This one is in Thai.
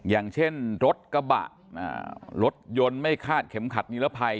อย่างเช่นรถกระบะรถยนต์ไม่คาดเข็มขัดนิรภัย